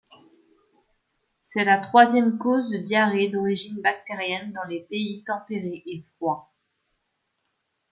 C'est la troisième cause de diarrhée d'origine bactérienne dans les pays tempérés et froids.